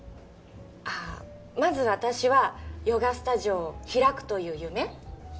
ああまず私はヨガスタジオを開くという夢？